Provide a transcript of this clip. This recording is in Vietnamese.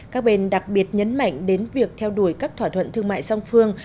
các bên đặc biệt nhấn mạnh đến việc theo đuổi các thỏa thuận thương mại song phương